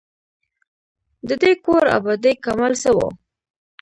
د دې کور آبادۍ کمال څه وو.